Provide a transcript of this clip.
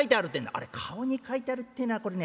「あれ顔に書いてあるってえのはこれね